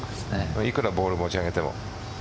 いくらボールを持ち上げても。